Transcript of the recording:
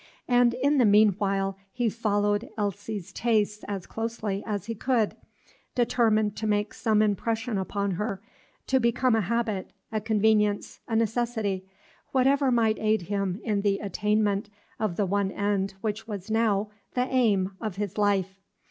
And in the mean while he followed Elsie's tastes as closely as he could, determined to make some impression upon her, to become a habit, a convenience, a necessity, whatever might aid him in the attainment of the one end which was now the aim of his life.